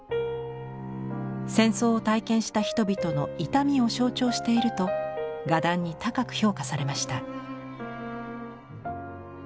戦争を体験した人々の痛みを象徴していると画壇に高く評価されました。